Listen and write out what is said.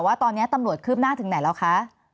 ว่าตอนนี้ตำรวจคืบหน้าถึงไหนแล้วคะ